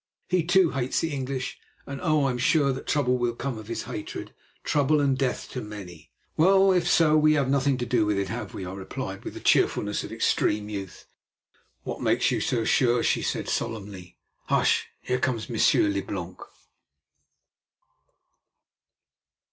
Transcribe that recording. He, too, hates the English, and, oh! I am sure that trouble will come of his hatred, trouble and death to many." "Well, if so, we have nothing to do with it, have we?" I replied with the cheerfulness of extreme youth. "What makes you so sure?" she said solemnly. "Hush! here comes Monsieur Leblanc."